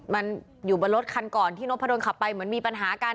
มันอยู่บนรถคันก่อนที่นกพะดนขับไปเหมือนมีปัญหากัน